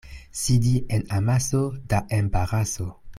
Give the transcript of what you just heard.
Sidi en amaso da embaraso.